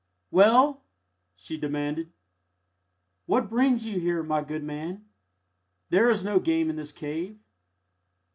"Well!" she demanded, "what brings you here, my good man? There is no game in this cave."